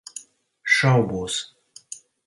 Šaubos.